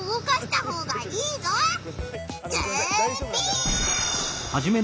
ズビ！